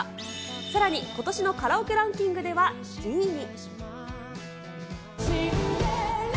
さらにことしのカラオケランキングでは、２位に。